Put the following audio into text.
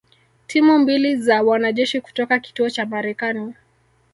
timu mbili za wanajeshi kutoka kituo cha Marekani